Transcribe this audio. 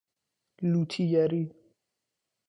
لوطی گری